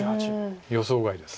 予想外です。